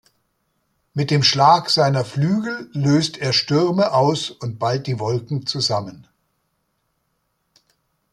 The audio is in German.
Mit dem Schlag seiner Flügel löst er Stürme aus und ballt die Wolken zusammen.